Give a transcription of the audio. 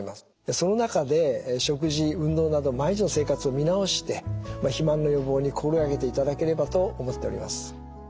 その中で食事運動など毎日の生活を見直して肥満の予防に心がけていただければと思っております。